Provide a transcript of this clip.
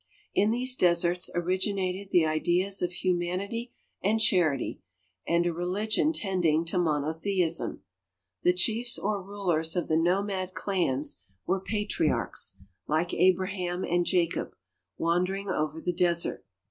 In these deserts originated the ideas of humanity and charity, and a religion tending to monotheism. The chiefs or rulers of the nomad clans were patriarchs, like Abraham and Jacob, wandering over the desert.